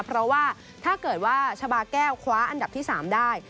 เพราะว่าถ้าเกิดว่าชาบาแก้วคว้าอันดับที่๓ได้